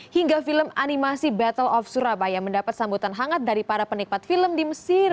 hingga film animasi battle of surabaya mendapat sambutan hangat dari para penikmat film di mesir